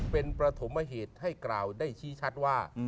เป็นประถมเหตุให้กล่าวได้ชี้ชัดว่า